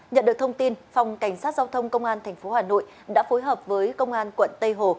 nhận được thông tin phòng cảnh sát giao thông công an tp hà nội đã phối hợp với công an quận tây hồ